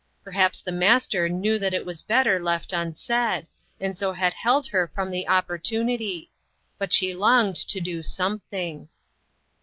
Perhaps the Master knew that it was better left unsaid, and so had held her from the opportunity ; but she longed to do something.